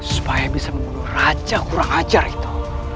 supaya bisa membunuh raja kurang ajar itu